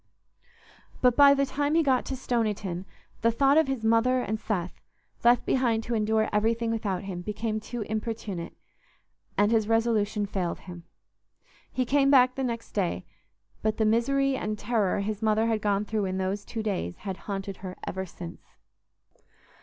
But by the time he got to Stoniton, the thought of his mother and Seth, left behind to endure everything without him, became too importunate, and his resolution failed him. He came back the next day, but the misery and terror his mother had gone through in those two days had haunted her ever since.